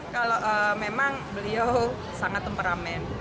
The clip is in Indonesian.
kalau memang beliau sangat temperamen